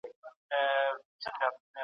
بهرنۍ پالیسي د همکارۍ ارزښت نه کموي.